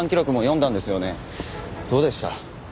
どうでした？